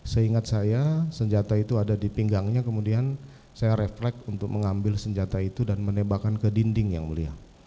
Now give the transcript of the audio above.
seingat saya senjata itu ada di pinggangnya kemudian saya refleks untuk mengambil senjata itu dan menembakkan ke dinding yang mulia